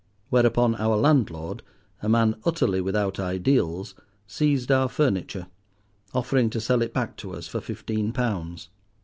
Whereupon our landlord, a man utterly without ideals, seized our furniture, offering to sell it back to us for fifteen pounds.